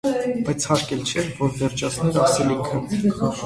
Բայց հարկ էլ չկար որ վերջացներ ասելիքը.